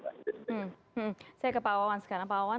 pak wawan kalau anda memiliki kesempatan bisa beri komentar di kolom komentar